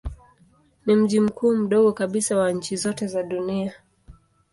Ni mji mkuu mdogo kabisa wa nchi zote za dunia.